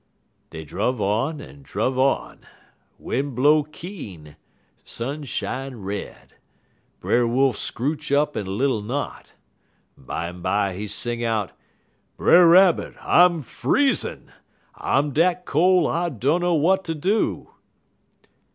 "Dey druv on en druv on. Win' blow keen, sun shine red. Brer Wolf scrooch up in little knot. Bimeby he sing out: "'Brer Rabbit, I'm freezin'! I'm dat cole I dunner w'at ter do!'